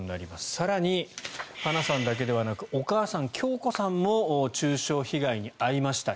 更に、花さんだけではなくお母さん、響子さんも中傷被害に遭いました。